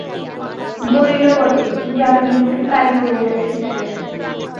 বলিল বটে, যামিনীর মুখে কালি পড়িয়াছে কিসের?